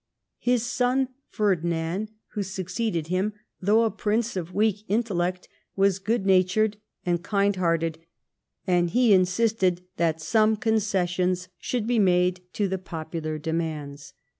His son, Ferdinand,* who succeeded him, though a prince of weak intellect, was good natured and kind hearted, and he insisted that some concessions should be made to the popular demands.